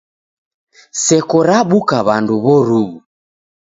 Seko rabuka w'andu w'oruw'u.